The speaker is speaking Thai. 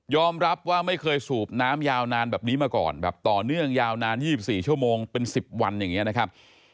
รับว่าไม่เคยสูบน้ำยาวนานแบบนี้มาก่อนแบบต่อเนื่องยาวนาน๒๔ชั่วโมงเป็น๑๐วันอย่างนี้นะครับ